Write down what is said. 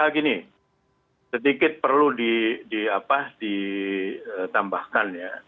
gini sedikit perlu ditambahkan